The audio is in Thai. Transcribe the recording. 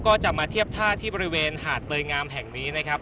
ก็จะมาเทียบท่าที่บริเวณหาดเตยงามแห่งนี้นะครับ